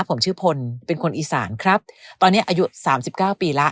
ผมชื่อพลเป็นคนอีสานครับตอนนี้อายุสามสิบเก้าปีแล้ว